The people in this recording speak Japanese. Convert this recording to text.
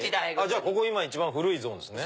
ここ今一番古いゾーンですね。